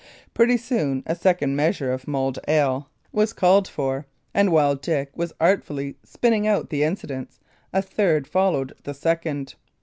Pretty soon a second measure of mulled ale was called for; and while Dick was still artfully spinning out the incidents a third followed the second.